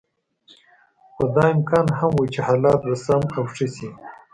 خو دا امکان هم و چې حالات به سم او ښه شي.